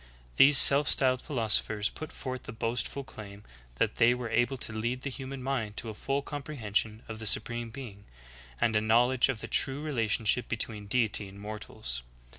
These self styled philosophers put forth the boast ful claim that they were able to lead the human mind to a full comprehension of the Supreme Being, and a knowl edge of the true relationship betv/een Deity and mortals.